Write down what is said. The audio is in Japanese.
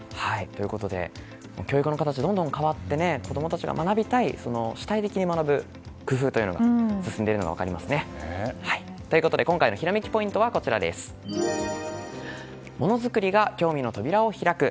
教育の形、どんどん変わって子供たちが主体的に学ぶ工夫というのが進んでいるのが分かりますね。ということで今回のひらめきポイントはものづくりが興味の扉を開く。